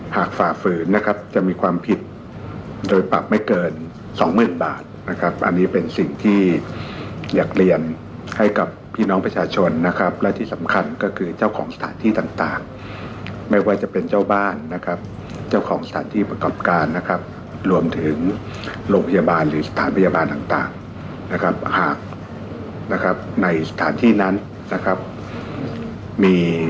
ฝ่าฝืนนะครับจะมีความผิดโดยปรับไม่เกินสองหมื่นบาทนะครับอันนี้เป็นสิ่งที่อยากเรียนให้กับพี่น้องประชาชนนะครับและที่สำคัญก็คือเจ้าของสถานที่ต่างไม่ว่าจะเป็นเจ้าบ้านนะครับเจ้าของสถานที่ประกอบการนะครับรวมถึงโรงพยาบาลหรือสถานพยาบาลต่างนะครับหากนะครับในสถานที่นั้นนะครับมี